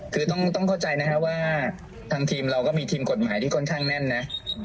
คือต้องเข้าใจนะครับว่าทางทีมเราก็มีทีมกฎหมายที่ค่อนข้างแน่นนะ